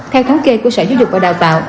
theo thống kê của sở giáo dục và đào tạo